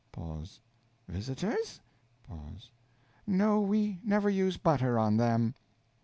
Pause. Visitors? Pause. No, we never use butter on them.